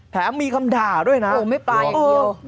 แถมมีคำด่าด้วยนะโอ้ไม่ปลาอย่างเดียว